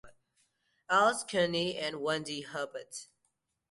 Elyse Cheney and Wendy Hubbert.